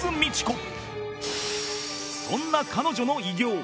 そんな彼女の偉業